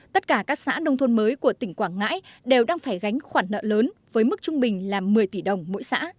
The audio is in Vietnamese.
tất cả các xã nông thôn mới của tỉnh quảng ngãi đều đang phải gánh khoản nợ lớn với mức trung bình là một mươi tỷ đồng mỗi xã